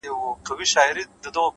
هوښیار انسان له هر حالت درس اخلي,